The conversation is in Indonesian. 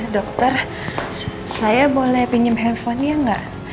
dokter saya boleh pinjem handphonenya gak